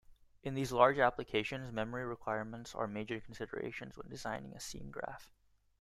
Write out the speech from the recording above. In these large applications, memory requirements are major considerations when designing a scene graph.